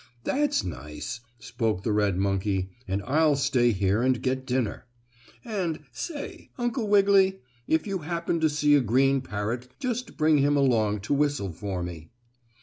"That's nice," spoke the red monkey, "and I'll stay here and get dinner. And, say, Uncle Wiggily, if you happen to see a green parrot just bring him along to whistle for me."